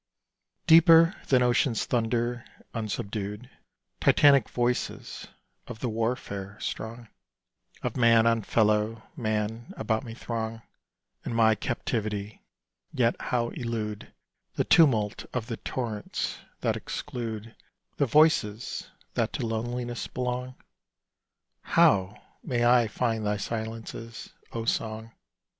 Deeper than ocean's thunder unsubdued, Titanic voices of the warfare strong Of man on fellow man about me throng In my captivity. Yet how elude The tumult of the torrents that exclude The voices that to loneliness belong? How may I find thy silences, O Song?